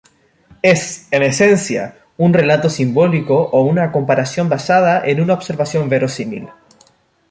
Es, en esencia, un relato simbólico o una comparación basada en una observación verosímil.